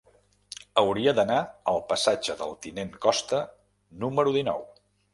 Hauria d'anar al passatge del Tinent Costa número dinou.